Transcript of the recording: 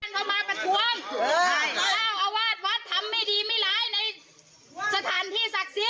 มาน่าวาดวัดทำไม่ดีไม่ล้ายในสถานที่ศักดิ์สิทธ์